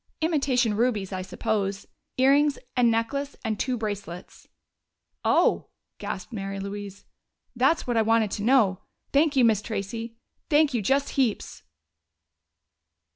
Imitation rubies, I suppose. Earrings and necklace and two bracelets." "Oh!" gasped Mary Louise. "That's what I want to know. Thank you, Miss Tracey, thank you just heaps!"